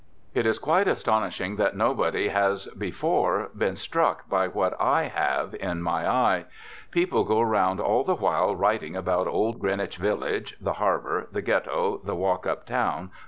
It is quite astonishing that nobody has before been struck by what I have in my eye. People go round all the while writing about Old Greenwich Village, the harbour, the Ghetto, the walk uptown.